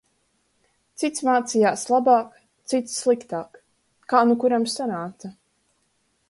Cits mācījās labāk, cits - sliktāk, kā nu kuram sanāca.